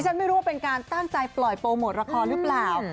ฉันไม่รู้ว่าเป็นการตั้งใจปล่อยโปรโมทละครหรือเปล่า